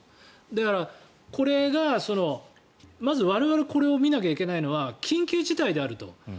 だから、これが我々がこれを見なきゃいけないのは緊急事態であると。